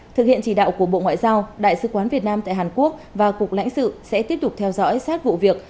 thực hiện chỉ đạo của bộ ngoại giao đại sứ quán việt nam tại hàn quốc và cục lãnh sự sẽ tiếp tục theo dõi sát vụ việc